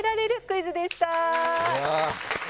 クイズでした。